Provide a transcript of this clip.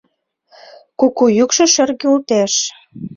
Куку йӱкшӧ шергылтеш.